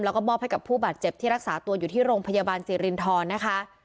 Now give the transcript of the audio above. แล้วก็มอบให้กับผู้บาดเจ็บที่รักษาตัวอยู่ที่โรงพยาบาลสิรินทรนะคะ